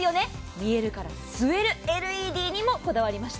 見えるから吸えるＬＥＤにもこだわりました。